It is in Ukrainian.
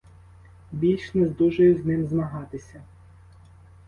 Більш не здужаю з ним змагатися.